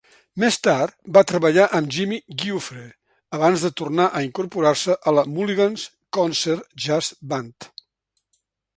Més tard va treballar amb Jimmy Giuffre, abans de tornar a incorporar-se a la Mulligan's Concert Jazz Band.